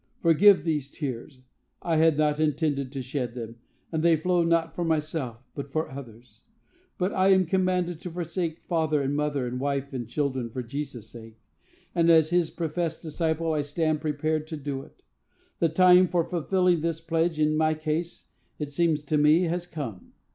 —(Forgive these tears—I had not intended to shed them, and they flow not for myself but others.) But I am commanded to forsake father and mother and wife and children for Jesus' sake; and as his professed disciple I stand prepared to do it. The time for fulfilling this pledge in my case, it seems to me, has come.